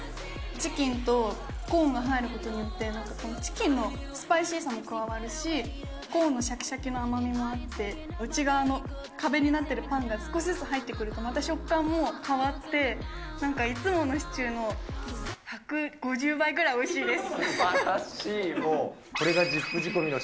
チキンとコーンが入ることによって、なんかチキンのスパイシーさも加わるし、コーンのしゃきしゃきの甘みもあって、内側の壁になってるパンが少しずつ入ってくると、また食感も変わって、なんかいつものシチューの１５０倍ぐらいおいしいです。